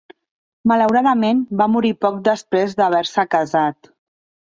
Malauradament va morir poc després d"haver-se casat.